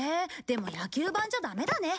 でも野球盤じゃダメだね。